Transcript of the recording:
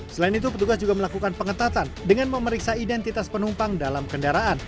selain itu petugas juga melakukan pengetatan dengan memeriksa identitas penumpang dalam kendaraan